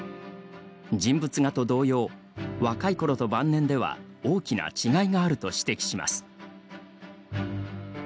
人物画と同様若いころと晩年では大きな違いがあると指摘します。